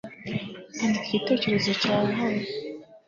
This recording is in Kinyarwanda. andika igitekerezo cyawe hano